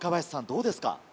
どうですか？